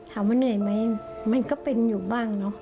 ถามว่าเหนื่อยไหมมันก็เป็นอยู่บ้างเนอะ